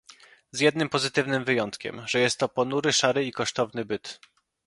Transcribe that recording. Z jednym pozytywnym wyjątkiem - że jest to ponury, szary i kosztowny byt